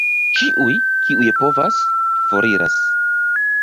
Ĉiuj, kiuj povas, foriras.